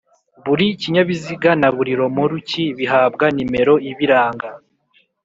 Buri kinyabiziga na buri romuruki bihabwa nimero ibiranga